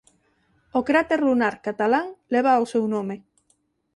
O cráter lunar Catalán leva o seu nome.